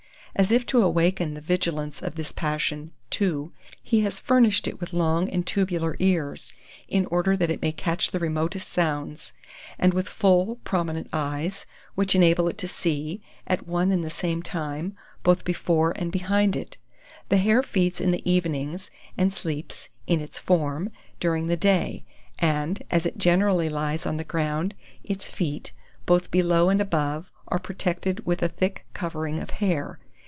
As if to awaken the vigilance of this passion, too, He has furnished it with long and tubular ears, in order that it may catch the remotest sounds; and with full, prominent eyes, which enable it to see, at one and the same time, both before and behind it. The hare feeds in the evenings, and sleeps, in its form, during the day; and, as it generally lies on the ground, its feet, both below and above, are protected with a thick covering of hair.